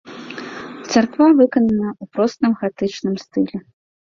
Царква выканана ў простым гатычным стылі.